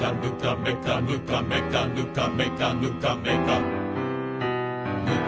「めかぬかめかぬかめかぬかめかぬか」